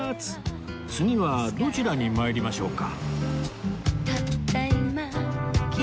次はどちらに参りましょうか？